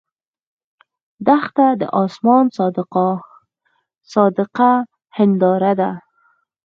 دښته د آسمان صادقه هنداره ده.